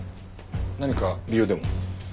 何か理由でも？